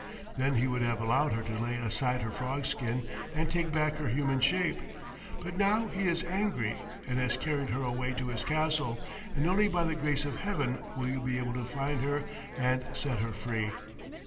Then he would have allowed her to lay aside her frog skin and take back her human shape. But now he is angry and has carried her away to his castle, and only by the grace of Heaven will you be able to find her and set her free."